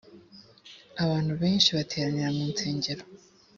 abantu benshi bateranira mu nsengero